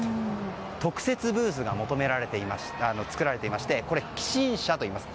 特設ブースが作られていまして起振車といいます。